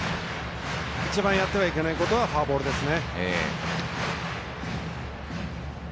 いちばんやってはいけないことはフォアボールですね。